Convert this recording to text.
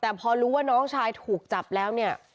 แต่พอรู้ว่าน้องชายถูกจับแล้วเนี่ย